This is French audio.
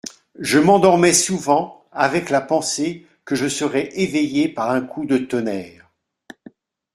Je m'endormais souvent avec la pensée que je serais éveillé par un coup de tonnerre.